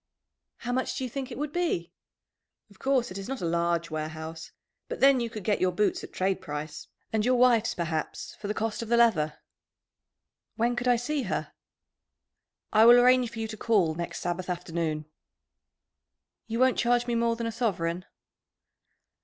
"How much do you think it would be?" "Of course it is not a large warehouse; but then you could get your boots at trade price, and your wife's, perhaps, for the cost of the leather." "When could I see her?" "I will arrange for you to call next Sabbath afternoon." "You won't charge me more than a sovereign?"